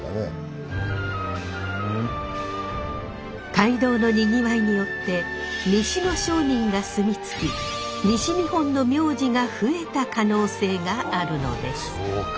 街道のにぎわいによって西の商人が住み着き西日本の名字が増えた可能性があるのです。